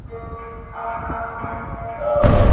لا به تر څو دا سرې مرمۍ اورېږي-